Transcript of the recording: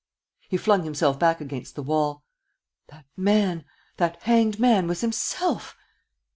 He flung himself back against the wall. That man, that hanged man, was himself!